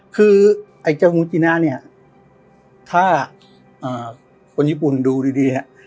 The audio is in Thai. คือไอเจ้าเนี้ยถ้าอ่าคนญี่ปุ่นดูดีดีอ่ะ